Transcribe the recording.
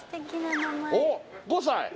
おっ５歳？